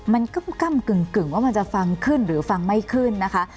มันกล้ำกล้ำกึ่งกึ่งว่ามันจะฟังขึ้นหรือฟังไม่ขึ้นนะคะ